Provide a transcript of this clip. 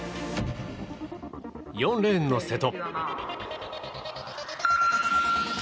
４レーンの瀬戸。